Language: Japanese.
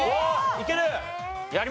いける？